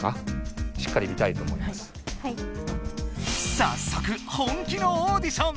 さっそく本気のオーディション！